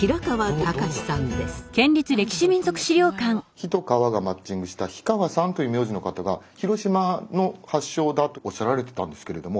火と川がマッチングした火川さんという名字の方が広島の発祥だっておっしゃられてたんですけれども。